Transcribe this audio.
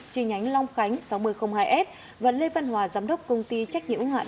chi nhánh long khánh sáu nghìn hai s và lê văn hòa giám đốc công ty trách nhiệm hữu hạn